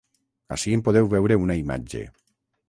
Ací en podeu veure una imatge.